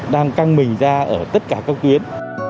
đang căng mình ra ở tất cả các tuyến